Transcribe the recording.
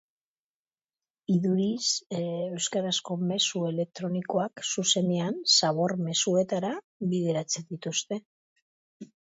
Iduriz, euskarazko mezu elektronikoak zuzenean zabor-mezuetara bideratzen dituzte.